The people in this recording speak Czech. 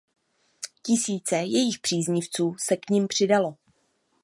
Tisíce jejich příznivců se k nim přidalo.